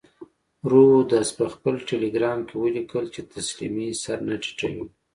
رودز په خپل ټیلګرام کې ولیکل چې تسلیمۍ سر نه ټیټوم.